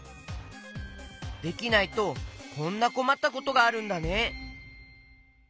できないとこんなこまったことがあるんだね。